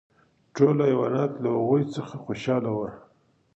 ټول حیوانات له هغوی څخه خوشحاله وو.